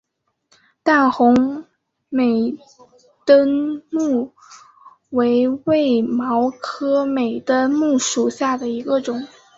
淡红美登木为卫矛科美登木属下的一个种。